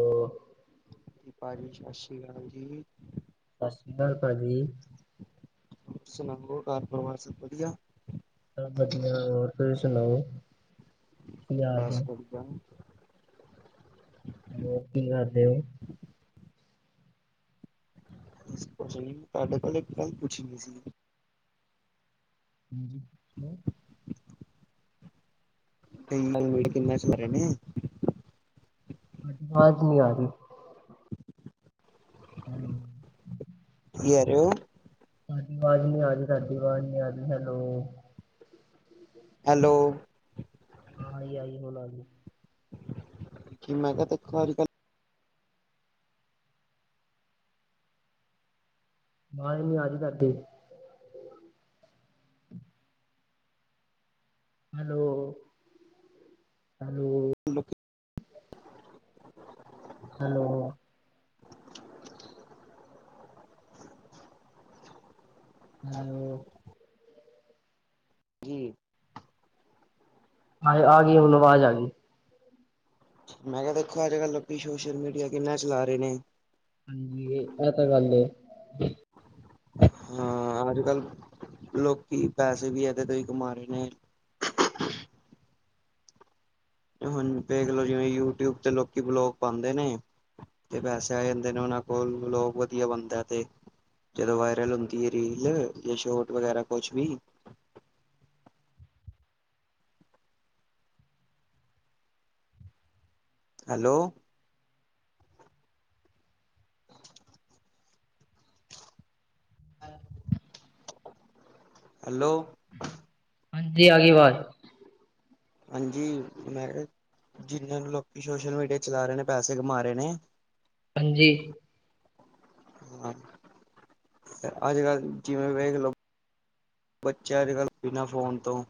ਹ ਜੀ ਭਾਅਜੀ ਸਤਿ ਸ਼੍ਰੀ ਅਕਾਲ ਜੀ ਸਤਿ ਸ਼੍ਰੀ ਅਕਾਲ ਭਾਜੀੀ ਹੋਰ ਸੁਣਾਓ ਘਰ ਪਰਿਵਾਰ ਸਭ ਵਧੀਆ ਚਲੋ ਪਾਸ ਕਰ ਜਾ ਦਿਓ ਤੁਹਾਡੇ ਕੋਲ ਇੱਕ ਗੱਲ ਪੁੱਛੀ ਨੀ ਸੀ ਹਾਂਜੀ ਸੁਣਾੋ ਕਈ ਕਿੰਨਾ ਸਾਰੇ ਨੇ ਅਜ ਆਵਾਜ਼ ਨੀ ਆ ਰੀ। ਹੈਲੋ [unintelligible] ਹਾਜੀ ਆਵਾਜ਼ ਨੀ ਆਰੀ ਸਾਡੀ ਆਵਾਜ਼ ਨੀ ਆਰੀ ਹੈਲੋ ਹੈਲੋ ਹਾਂ ਆਈ-ਆਈ ਹੁਣ ਆ ਗੀ। ਕਿ ਮੈਂ ਕਿਹਾ ਤੇ [inaudible] ਵਾਜ ਨੀ ਆਰੀ ਤਾਡੀ ਹੈਲੋ ਹੈਲੋ ਲੋਕੀ ਹੈਲੋ ਹੈਲੋ ਜੀ ਹ ਆ ਗੀ ਹੁਣ ਆਵਾਜ਼ ਆ ਗੀ। ਮੈਂ ਕਿਆ ਦੇਖੋ ਅੱਜ ਕੱਲ੍ਹ ਲੋਕੀ ਸੋਸ਼ਲ ਮੀਡੀਆ ਕਿੰਨਾ ਚਲਾ ਰੇ ਨੇ। ਹਾਂਜੀ ਇਹ ਤਾਂ ਗੱਲ ਏ‌। ਹਾਂ ਅੱਜ ਕੱਲ ਲੋਕੀ ਪੈਸੇ ਵੀ ਇਹਦੇ ਤੋਂ ਈ ਕਮਾ ਰੇ ਨੇ। ਹੁਣ ਦੇੇਖਲੋ ਜਿਵੇਂ ਯੂਟਿਊਬ ਤੇ ਲੋਕੀ ਵਲੋਗ ਪਾਂਦੇ ਨੇ। ਤੇ ਪੈਸੇ ਆ ਜਾਂਦੇ ਨੇ ਉਹਨਾਂ ਕੋਲ ਲੋਗ ਵਧੀਆ ਬਣਦਾ ਤੇ ਜਦੋਂ ਵਾਇਰਲ ਹੁੰਦੀ ਏ ਰੀਲ ਜ ਸ਼ੋਟ ਵਗੈਰਾ ਕੁਛ ਵੀ। ਹੈਲੋ ਹੈਲੋ ਹਾਂਜੀ ਆਗੀ ਅਵਾਜ ਹਾਂਜੀ ਮੈਂ ਕ ਜਿਹਨ੍ਹਾਂ ਲੋਕੀ ਸੋਸ਼ਲ ਮੀਡੀਆ ਚਲਾ ਰੇ ਨੇ ਪੈਸੇ ਕਮਾ ਰੇ ਨੇ। ਹਾਂਜੀ ਹਾਂ, ਅੱਜ ਕੱਲ ਜਿਵੇਂ ਵੇਖ ਲੋ ਬੱਚਾ ਅੱਜ ਕੱਲ੍ਹ ਬਿਨਾਂ ਫੋਨ ਤੋਂ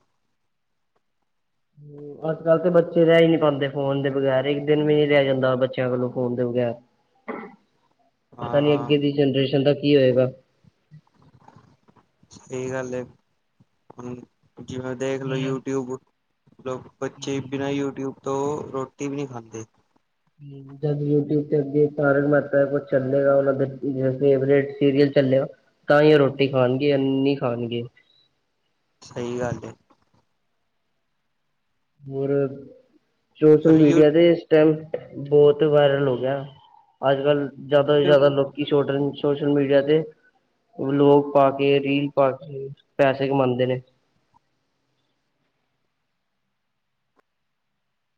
ਹੂੰ ਅੱਜ ਕੱਲ ਤੇ ਬੱਚੇ ਰਹਿ ਈ ਨੀ ਪਾਂਦੇ ਫੋਨ ਦੇ ਬਗੈਰ ਇੱਕ ਦਿਨ ਵੀ ਨੀ ਰਹਿ ਜਾਂਦਾ ਬੱਚਿਆਂ ਕੋਲੋਂ ਫੋਨ ਦੇ ਪਤਾ ਨੀ ਹਾਂ ਅੱਗੇ ਦੀ ਜਨਰੇਸ਼ਨ ਦਾ ਕੀ ਹੋਏਗਾ। ਸਹੀ ਗੱਲ ਐ ਹੁਣ ਜਿਵੇਂ ਦੇਖਲੋ ਹੁਣ ਯੂਟਿਊਬ ਲੋਕ ਬੱਚੇ ਬਿਨਾ ਹੂੰ। ਯੂਟਿਊਬ ਤੋਂ ਰੋਟੀ ਵੀ ਨੀ ਖਾਂਦੇ। ਜਦ ਯੂਟਿਊਬ ਚ [unintelligible] ਕੋ ਚੱਲੇਗਾ ਉਹਨਾਂ ਫੇਵਰੇਟ ਸੀਰੀਅਲ ਚੱਲ ਤਾਂ ਏ ਉਹ ਰੋਟੀ ਖਾਣਗੇ ਐਨੀ ਖਾਣਗੇ। ਸਹੀ ਗੱਲ ਏ। ਹੋਰ ਸੋਸ਼ਲ ਪਰ ਮੀਡੀਆ ਤੇ ਟਾਈਮ ਬਹੁਤ ਵਾਇਰਲ ਹੋ ਗਿਆ ਅੱਜ ਕੱਲ੍ਹ ਜਿਆਦਾ ਤੋਂ ਯੂਟਿਊਬ ਜਿਆਦਾ ਲੋਕੀ ਛੋਟ ਸੋਸ਼ਲ ਮੀਡੀਆ ਤੇ ਵਲੋਗ ਪਾ ਕੇ ਰੀਲ ਪਾ ਕੇ ਪੈਸੇ ਕਮਾਂਦੇ ਨੇ। [inaudible]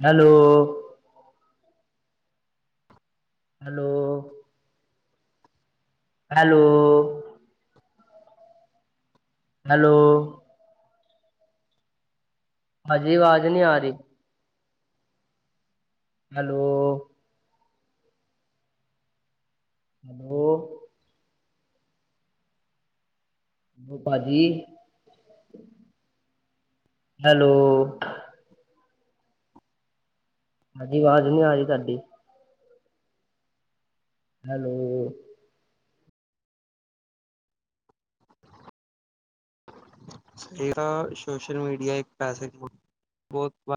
ਹੈਲੋ ਹੈਲੋ ਹੈਲੋ ਹੈਲੋ ਹਾਜੀ ਆਵਾਜ਼ ਨੀ ਆ ਰੀ ਹੈਲੋ ਹੈਲੋਂ ਬ ਭਾਜੀ ਹੈਲੋ ਹਾਂਜੀ ਆਵਾਜ਼ ਨੀ ਆ ਰੀ ਤਾਡੀ ਹੈਲੋ ਤੇ ਨਾ ਸੋਸ਼ਲ ਮੀਡੀਆ ਇੱਕ ਪੈਸੇ, ਬਹੁਤ ਵ